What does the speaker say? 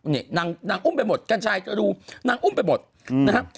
นี่นางอุ้มไปหมดกัญชัยก็ดูนางอุ้มไปหมดนะครับ